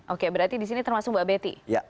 oke berarti di sini termasuk mbak betty